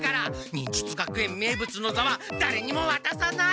忍術学園名物のざはだれにもわたさない！